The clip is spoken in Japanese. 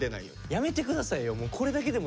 やめてくださいよ。